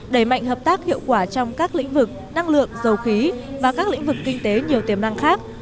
đẩy mạnh hợp tác hiệu quả trong các lĩnh vực năng lượng dầu khí và các lĩnh vực kinh tế nhiều tiềm năng khác